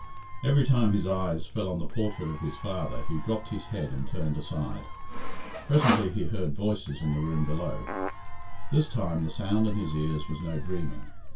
Every time his eyes fell on the portrait of his father he dropped his head and turned aside. Presently he heard voices in the room below. This time the sound in his ears was no dreaming.